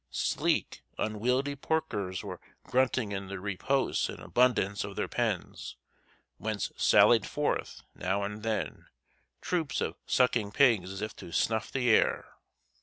Sleek, unwieldy porkers were grunting in the repose and abundance of their pens, whence sallied forth, now and then, troops of sucking pigs as if to snuff the air.